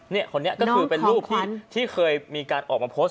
เนี่ยคนนี้ก็คือเป็นน้องของขวัญที่เคยมีการออกมาโพสต์